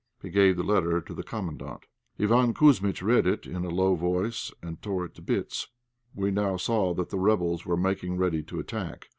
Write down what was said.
He gave the letter to the Commandant. Iván Kouzmitch read it in a low voice, and tore it into bits. We now saw that the rebels were making ready to attack.